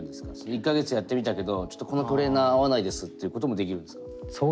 １か月やってみたけどちょっとこのトレーナー合わないですっていうこともできるんですか？